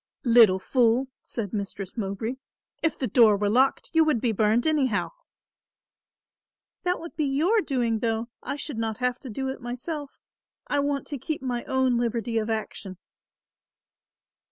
"Little fool," said Mistress Mowbray, "if the door were locked you would be burned anyhow." "That would be your doing, though. I should not have to do it myself. I want to keep my own liberty of action."